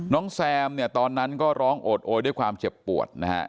แซมเนี่ยตอนนั้นก็ร้องโอดโอยด้วยความเจ็บปวดนะฮะ